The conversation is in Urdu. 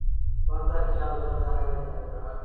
وقت کا کیا ہے گزرتا ہے گزر جائے گا